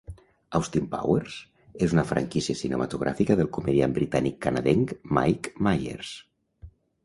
"Austin Powers" és una franquícia cinematogràfica del comediant britànic-canadenc Mike Myers.